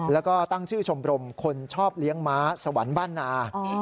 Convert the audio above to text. แล้วก็ตั้งชื่อชมรมคนชอบเลี้ยงม้าสวรรค์บ้านนา